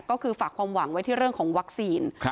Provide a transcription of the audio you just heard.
ก็คือฝากความหวังไว้ที่เรื่องของวัคซีน